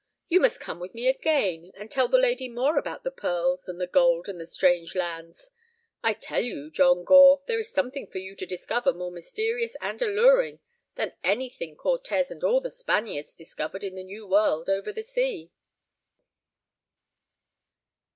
You must come with me again, and tell the lady more about the pearls and the gold and the strange lands. I tell you, John Gore, there is something for you to discover more mysterious and alluring than anything Cortés and all the Spaniards discovered in the New World over the sea."